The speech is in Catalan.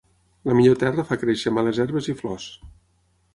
La millor terra fa créixer males herbes i flors.